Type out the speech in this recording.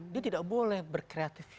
dia tidak boleh berkreatif